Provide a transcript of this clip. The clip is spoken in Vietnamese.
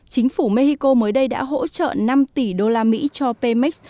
chính phủ mexico mới đây đã hỗ trợ năm tỷ đô la mỹ cho pemex